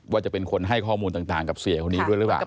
ว่าจะเป็นคนให้ข้อมูลต่างกับเสียคนนี้ด้วยหรือเปล่า